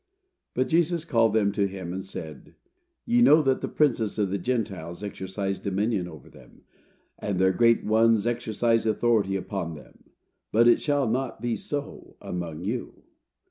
"But Jesus called them to him and said, Ye know that the princes of the Gentiles exercise dominion over them, and their great ones exercise authority upon them; but it shall not be so among you.